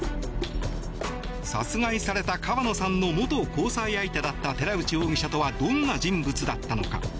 殺害された川野さんの元交際相手だった寺内容疑者とはどんな人物だったのか。